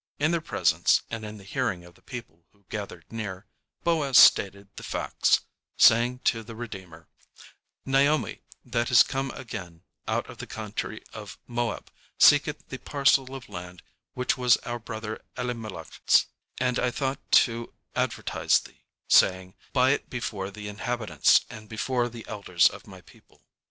In their presence, and in the hearing of the people who gathered near, Boaz stated the facts, saying to the "redeemer": _"Naomi, that is come again out of the country of Moab, seeketh the parcel of land which was our brother Elimelech's: and I thought to advertise thee, saying, Buy it before the inhabitants, and before the elders of my people."